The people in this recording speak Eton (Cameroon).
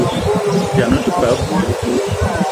Vian ou te paa abui.